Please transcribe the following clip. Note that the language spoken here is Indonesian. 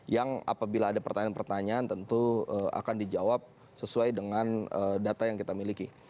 yang apabila ada pertanyaan pertanyaan tentu akan dijawab sesuai dengan data yang kita miliki